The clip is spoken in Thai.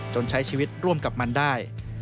ใช้ชีวิตร่วมกับมันได้